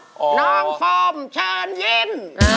น้องฟอร์มเชิญยิ้ม